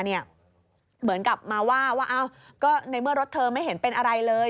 เหมือนกับมาว่าว่าก็ในเมื่อรถเธอไม่เห็นเป็นอะไรเลย